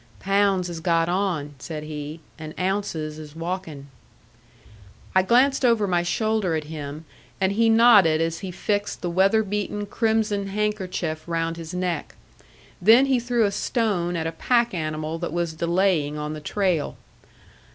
"Pounds has got on," said he, "and Ounces is walking." I glanced over my shoulder at him, and he nodded as he fixed the weather beaten crimson handkerchief round his neck. Then he threw a stone at a pack animal that was delaying on the trail.